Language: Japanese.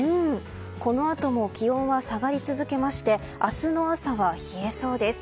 このあとも気温は下がり続けまして明日の朝は冷えそうです。